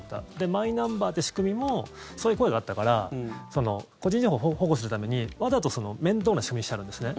マイナンバーという仕組みもそういう声があったから個人情報保護するためにわざと面倒な仕組みにしてあるんですね。